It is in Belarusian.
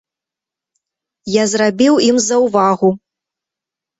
Я зрабіў ім заўвагу.